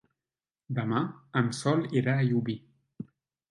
Demà en Sol irà a Llubí.